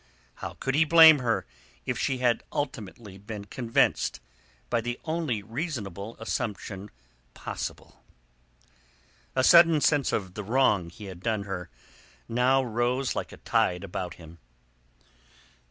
How could he blame her if she had ultimately been convinced by the only reasonable assumption possible? A sudden sense of the wrong he had done rose now like a tide about him.